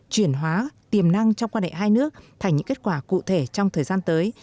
chuyển hóa tiềm năng trong quan hệ hai nước thành những kết quả cụ thể trong thời gian tới